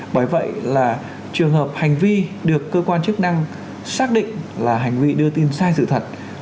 bởi vậy là trường hợp hành vi được cơ quan chức năng xác định là hành vi đưa tin sai sự thật